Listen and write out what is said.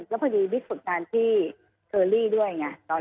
แล้วพอดีวิกฝึกการที่ด้วยไงตอนนั้นน่ะ